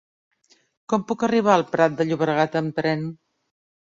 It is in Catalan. Com puc arribar al Prat de Llobregat amb tren?